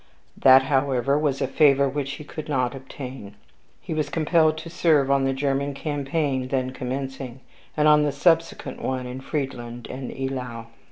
That, however, was a favor which he could not obtain. He was compelled to serve on the German campaign then commencing, and on the subsequent one of Friedland and Eylau.